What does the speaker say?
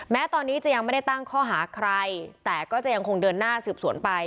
แม้ตอนนี้จะยังไม่ได้ตั้งข้อหาใครแต่ก็จะยังคงเดินหน้าสืบสวนไป